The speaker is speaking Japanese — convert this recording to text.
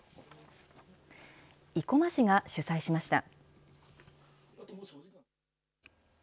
生駒市が主催しました。